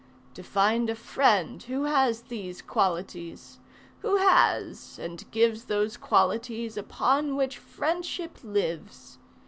To find a friend who has these qualities, Who has, and gives Those qualities upon which friendship lives.